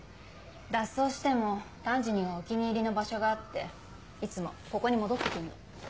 脱走してもタンジにはお気に入りの場所があっていつもここに戻って来んの。